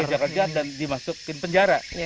kejar kejar dan dimasukin penjara